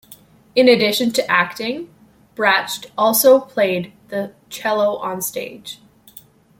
In addition to acting, Dratch also played the cello onstage.